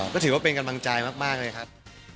ก็ถือว่าเป็นกำลังใจมากเลยครับ